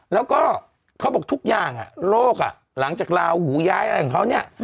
แล้วก็เขาบอกทุกอย่างโลกหลังจากลาหูย้ายอะไรของเขาเนี่ย